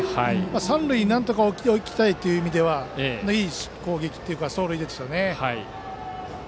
三塁になんとか置きたいという意味ではいい攻撃、走塁でしたね。